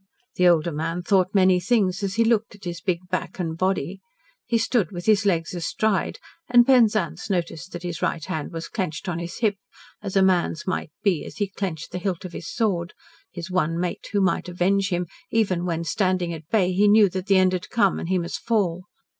The older man thought many things, as he looked at his big back and body. He stood with his legs astride, and Penzance noted that his right hand was clenched on his hip, as a man's might be as he clenched the hilt of his sword his one mate who might avenge him even when, standing at bay, he knew that the end had come, and he must fall.